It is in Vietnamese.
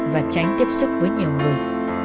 và tránh tiếp xúc với nhiều người